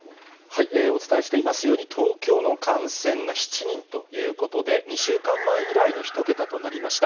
お伝えしていますように、東京の感染が７人ということで、２週間前以来の１桁となりました。